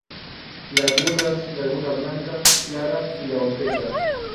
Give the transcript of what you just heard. Lagunas: Laguna Blanca, Clara y la Horqueta.